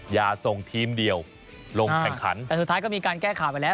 อย่าส่งทีมเดียวลงแข่งขันแต่สุดท้ายก็มีการแก้ข่าวไปแล้ว